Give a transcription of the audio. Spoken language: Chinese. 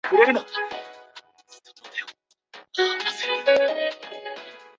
维亚铁路来回多伦多和温哥华之间的客运铁路服务亦每周有三班列车停靠帕里湾。